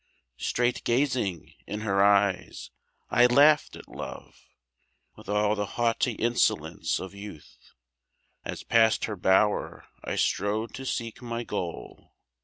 Straight gazing in her eyes, I laughed at Love, With all the haughty insolence of youth, As past her bower I strode to seek my goal.